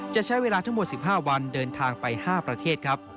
จะใช้เวลาทั้งหมด๑๕วันเดินทางไป๕ประเทศครับ